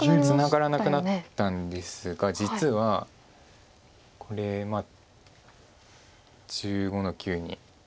ツナがらなくなったんですが実はこれ１５の九に。